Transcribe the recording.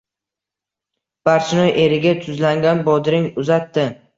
Barchinoy eriga tuzlangan bodring uzatdi.